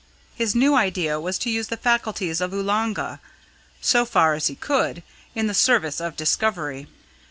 His new idea was to use the faculties of Oolanga, so far as he could, in the service of discovery.